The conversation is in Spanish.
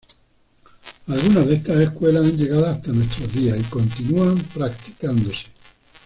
Algunas de estas escuelas han llegado hasta nuestros días y continúan practicándose.